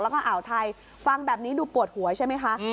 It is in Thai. แล้วก็อ่าวไทยฟังแบบนี้ดูปวดหัวใช่ไหมคะ